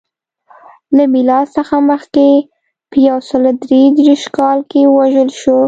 له میلاد څخه مخکې په یو سل درې دېرش کال کې ووژل شو.